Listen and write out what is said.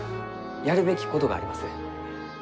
やるべきことがあります。